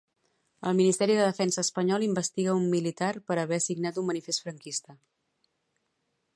El Ministeri de Defensa espanyol investiga un militar per haver signat un manifest franquista.